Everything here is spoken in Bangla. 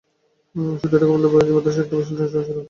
শুধু এটুকু বলতে পারি যে বাতাসে একটা বিশাল টেনশন ছিল।